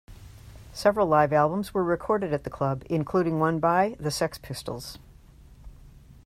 Several live albums were recorded at the club, including one by the Sex Pistols.